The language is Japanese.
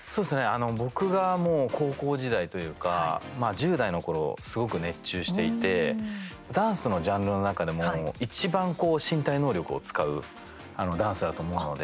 僕が高校時代というか１０代のころすごく熱中していてダンスのジャンルの中でもいちばん身体能力を使うダンスだと思うので。